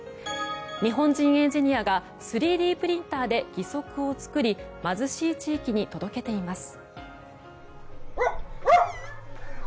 日本人エンジニアが３Ｄプリンターで義足を作り貧しい地域に届けています。